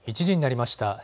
１時になりました。